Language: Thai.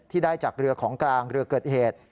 ได้จากเรือของกลางเรือเกิดเหตุ